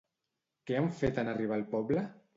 Què han fet en arribar al poble?